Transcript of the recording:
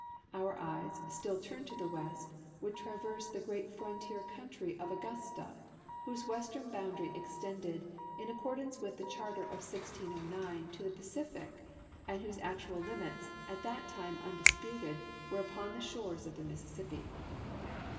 Our eyes, still turned to the west, would traverse the great frontier county of Augusta, whose western boundary extended, in accordance with the charter of 1609, to the Pacific, and whose actual limits, at that time undis puted, were upon the shores of the ]\Iississip})i.